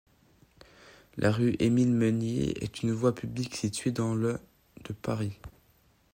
La rue Émile-Menier est une voie publique située dans le de Paris.